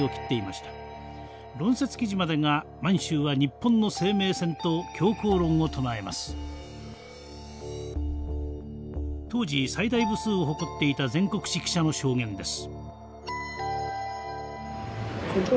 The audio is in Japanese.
論説記事までが「満州は日本の生命線」と強硬論を唱えます。当時最大部数を誇っていた全国紙記者の証言です。